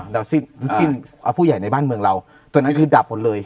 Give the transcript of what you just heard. เราสิ้นเอาผู้ใหญ่ในบ้านเราตัวนั้นคือดับหมดเลย